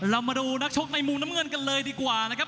เรามาดูนักชกในมุมน้ำเงินกันเลยดีกว่านะครับ